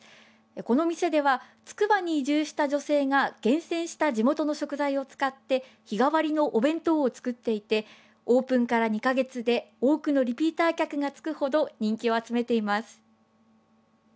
この店ではつくばに移住した女性が厳選した地元の食材を使って日替わりのお弁当を作っていてオープンから２か月で多くのリピーター客がつくほど人気を集めています。